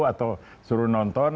atau suruh nonton